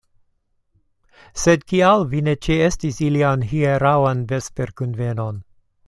Sed kial vi ne ĉeestis ilian hieraŭan vesperkunvenon?